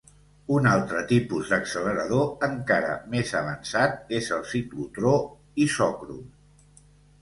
Un altre tipus d'accelerador encara més avançat és el ciclotró isòcron.